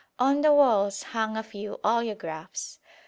On the walls hang a few oleographs.